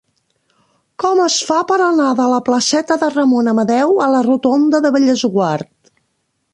Com es fa per anar de la placeta de Ramon Amadeu a la rotonda de Bellesguard?